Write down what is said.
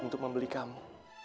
untuk membeli kamu